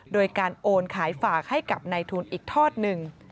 โดยการโอนขายฝากให้กับในทุนอีกทอดหนึ่ง